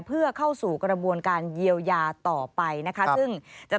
เพื่อเข้าสู่กระบวนการเยียวยาต่อไปนะคะซึ่งจะ